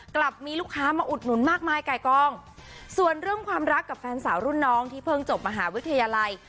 กลับมีลูกค้ามาอุดหนุนมากมายไก่กองส่วนเรื่องความรักกับแฟนสาวรุ่นน้องที่เพิ่งจบมหาวิทยาลัย